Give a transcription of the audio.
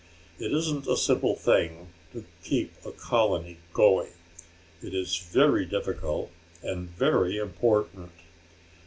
It isn't a simple thing to keep a colony going. It is very difficult and very important.